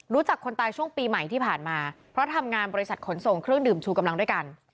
รู้จักคนตายช่วงปีใหม่ที่ผ่านมาเพราะทำงานบริษัทขนส่งเครื่องดื่มชูกำลังด้วยกัน